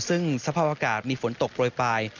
ซึ่งสภาพอากาศมีฝนตกโปรยปลาย